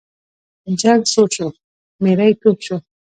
جنګ سوړ شو، میری تود شو.